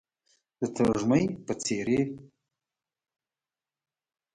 د ترږمۍ په څیرې،